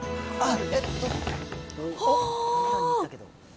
あっ！